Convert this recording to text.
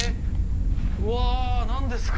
うわ何ですか？